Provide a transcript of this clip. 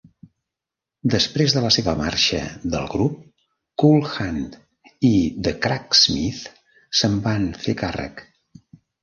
Després de la seva marxa del grup, Cool Hand i The Cracksmith se'n van fer càrrec.